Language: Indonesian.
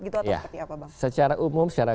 gitu atau seperti apa bang secara umum secara